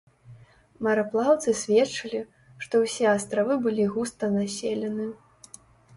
Мараплаўцы сведчылі, што ўсе астравы былі густа населены.